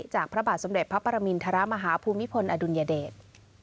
พระบาทสมเด็จพระปรมินทรมาฮาภูมิพลอดุลยเดช